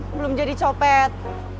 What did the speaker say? belum jadi copet